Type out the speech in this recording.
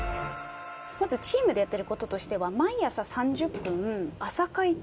まずチームでやってることとしては。